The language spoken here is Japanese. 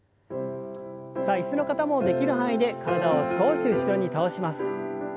さあ椅子の方もできる範囲で体を少し後ろに倒します。